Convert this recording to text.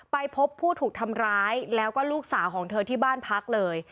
ไปพบผู้ถูกทำร้ายแล้วก็ลูกสาวของเธอที่บ้านพักเลย